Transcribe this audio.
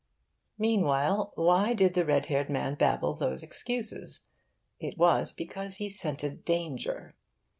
Meanwhile, why did the red haired man babble those excuses? It was because he scented danger.